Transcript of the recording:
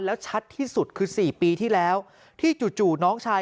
แล้วชัดที่สุดคือ๔ปีที่แล้วที่จู่น้องชาย